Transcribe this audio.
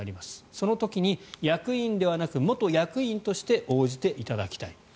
その時に役員ではなく元役員として応じていただきたい。